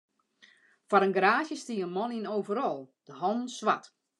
Foar in garaazje stie in man yn in overal, de hannen swart.